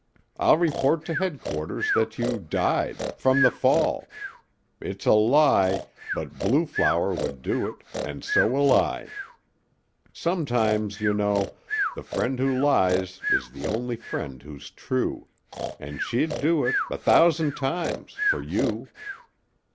I'll report to headquarters that you died from the fall. It's a lie, but blue flower would do it, and so will I. Sometimes, you know, the friend who lies is the only friend who's true and she'd do it a thousand times for you."